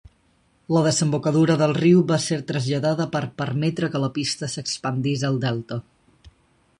La desembocadura del riu va ser traslladada per permetre que la pista s'expandís al delta.